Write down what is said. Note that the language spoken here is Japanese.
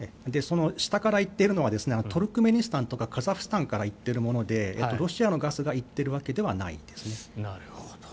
その下から行っているのはトルクメニスタンとかカザフスタンから行っているものでロシアのガスが行っているわけではないですね。